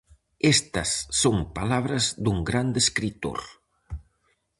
Estas son palabras dun grande escritor: